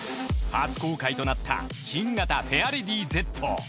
初公開となった新型フェアレディＺ。